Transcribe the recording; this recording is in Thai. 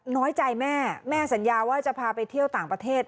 น้อยใจแม่แม่สัญญาว่าจะพาไปเที่ยวต่างประเทศ